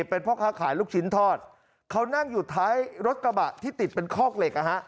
เป็นพ่อค้าขายลูกชิ้นทอดเขานั่งอยู่ท้ายรถกระบะที่ติดเป็นคอกเหล็ก